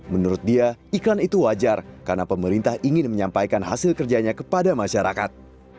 menurut dia iklan itu wajar karena pemerintah ingin menyampaikan hasil kerjanya kepada masyarakat